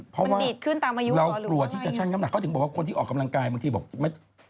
เพราะว่าเรากลัวที่จะชั่งน้ำหนักเพราะถึงบอกว่าคนที่ออกกำลังกายบางทีมันดีดขึ้นตามอายุหรือเปล่า